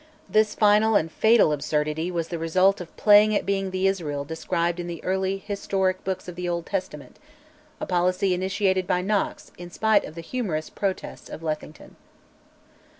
This final and fatal absurdity was the result of playing at being the Israel described in the early historic books of the Old Testament, a policy initiated by Knox in spite of the humorous protests of Lethington.